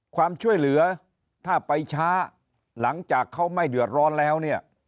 ความช่วยเหลือถ้าไปช้าหลังจากเขาไม่เดือดร้อนแล้วเนี่ย